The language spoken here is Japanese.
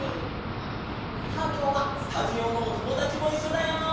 さあきょうはスタジオのおともだちもいっしょだよ！